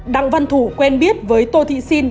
đăng văn thủ quen biết với tô thị xin